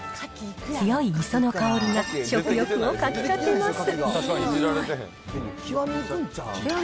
強い磯の香りが食欲をかきたてます。